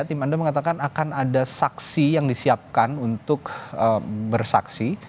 tim anda mengatakan akan ada saksi yang disiapkan untuk bersaksi